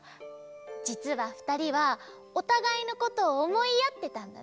じつはふたりはおたがいのことをおもいあってたんだね。